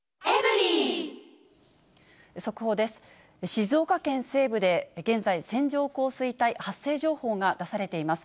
静岡県西部で、現在、線状降水帯発生情報が出されています。